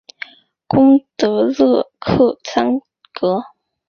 贡德勒克桑格。